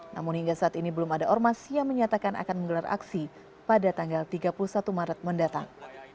namun hingga saat ini belum ada ormas yang menyatakan akan menggelar aksi pada tanggal tiga puluh satu maret mendatang